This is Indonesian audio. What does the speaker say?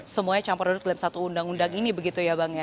semuanya campur klaim satu undang undang ini begitu ya bang ya